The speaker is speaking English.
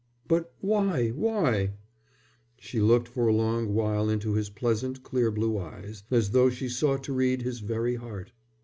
"But why? Why?" She looked for a long while into his pleasant clear blue eyes, as though she sought to read his very heart.